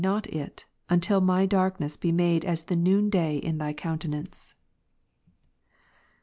not it, until ray darkness be made as the noon day in Thy ^'^' countenance.